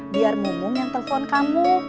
biar mumung yang telepon kamu